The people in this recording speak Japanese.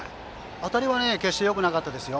当たりは決してよくなかったですよ。